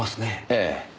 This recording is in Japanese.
ええ。